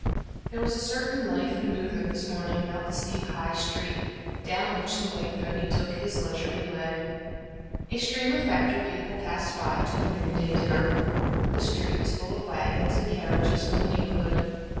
There was a certain life and movement this morning about the steep High Street, down which the white pony took his leisurely way. A stream of factory people passed by to their noon day dinner; the street was full of wagons and carriages from the Neighborhood.